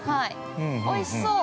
◆おいしそう。